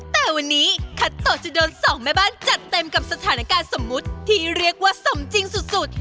แต่วันนี้คัตโตะจะโดนสองแม่บ้านจัดเต็มกับสถานการณ์สมมุติที่เรียกว่าสมจริงสุด